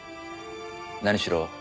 何しろ